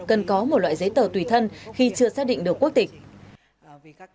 cần có một loại giấy tờ tùy thân khi chưa xác định được quốc tịch